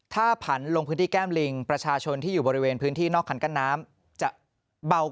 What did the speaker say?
ถ้าผันลงพื้นที่แก้มลิงประชาชนที่อยู่บริเวณพื้นที่นอกคันกั้นน้ำจะเบา